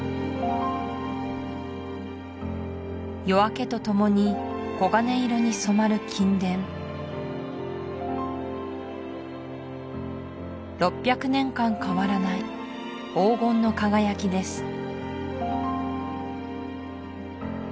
夜明けとともに黄金色に染まる金殿６００年間変わらない黄金の輝きです